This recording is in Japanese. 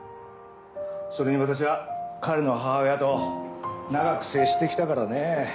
それに私は彼の母親と長く接してきたからね。